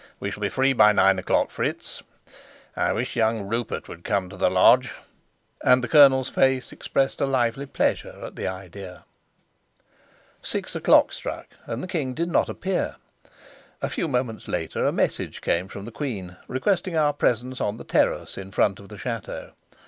We shall be free by nine o'clock, Fritz. I wish young Rupert would come to the lodge!" And the colonel's face expressed a lively pleasure at the idea. Six o'clock struck, and the king did not appear. A few moments later, a message came from the queen, requesting our presence on the terrace in front of the chateau.